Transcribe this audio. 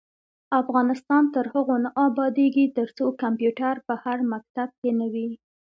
افغانستان تر هغو نه ابادیږي، ترڅو کمپیوټر په هر مکتب کې نه وي.